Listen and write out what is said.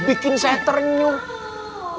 bikin saya ternyum